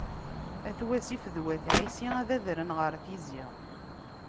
At Wasif d Wat Ɛisi ad adren ɣer Tizi..